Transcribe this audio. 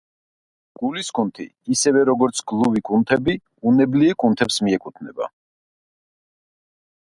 გულის კუნთი, ისევე როგორც გლუვი კუნთები, უნებლიე კუნთებს მიეკუთვნება.